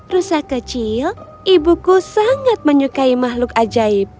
rusa kecil ibuku sangat menyukai makhluk ajaib